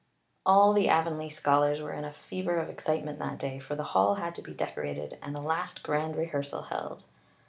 All the Avonlea scholars were in a fever of excitement that day, for the hall had to be decorated and a last grand rehearsal held.